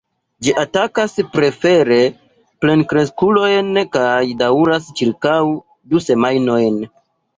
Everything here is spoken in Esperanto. Ĝi atakas prefere plenkreskulojn kaj daŭras ĉirkaŭ du semajnojn.